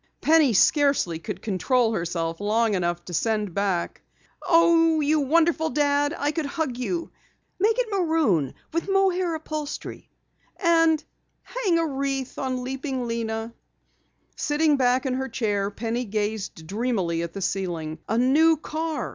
Penny scarcely could control herself long enough to send back: "OH, YOU WONDERFUL DAD! I COULD HUG YOU! PLEASE MAKE IT MAROON WITH MOHAIR UPHOLSTERY. AND HANG A WREATH ON LEAPING LENA." Sinking back in her chair, Penny gazed dreamily at the ceiling. A new car!